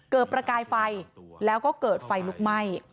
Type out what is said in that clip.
ประกายไฟแล้วก็เกิดไฟลุกไหม้